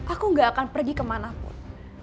aku gak akan pergi kemana pun